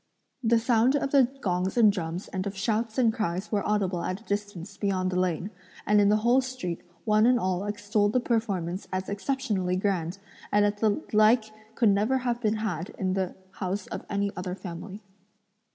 The sound of the gongs and drums and of shouts and cries were audible at a distance beyond the lane; and in the whole street, one and all extolled the performance as exceptionally grand, and that the like could never have been had in the house of any other family.